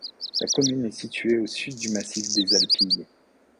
La commune est située au sud du massif des Alpilles.